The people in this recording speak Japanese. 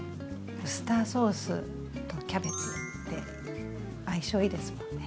ウスターソースとキャベツって相性いいですもんね。